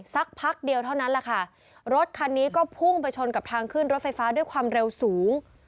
สักพักเดียวเท่านั้นแหละค่ะรถคันนี้ก็พุ่งไปชนกับทางขึ้นรถไฟฟ้าด้วยความเร็วสูง